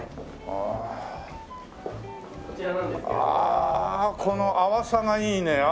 ああこの淡さがいいね。